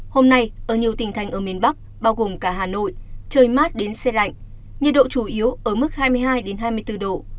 hôm nay ở nhiều tỉnh thành ở miền bắc bao gồm cả hà nội trời mát đến xe lạnh nhiệt độ chủ yếu ở mức hai mươi hai hai mươi bốn độ